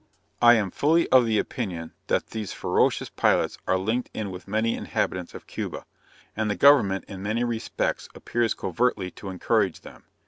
I am fully of the opinion that these ferocious pirates are linked in with many inhabitants of Cuba; and the government in many respects appears covertly to encourage them.